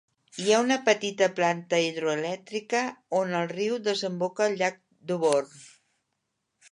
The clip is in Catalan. Hi ha una petita planta hidroelèctrica on el riu desemboca al llac Duborne.